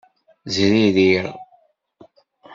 Zririɣ.